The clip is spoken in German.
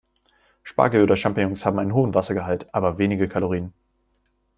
Spargel oder Champignons haben einen hohen Wassergehalt, aber wenige Kalorien.